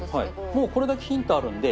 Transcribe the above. もうこれだけヒントあるんで。